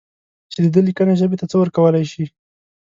چې د ده لیکنه ژبې ته څه ورکولای شي.